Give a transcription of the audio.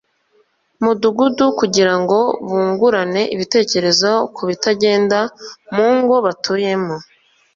mudugudu kugira ngo bungurane ibitekerezo ku bitagenda mu ngo batuyemo